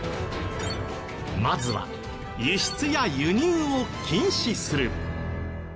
まずは輸出や輸入を禁止する。